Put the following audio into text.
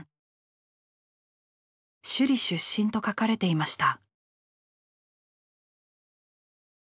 首里出身と書かれていました。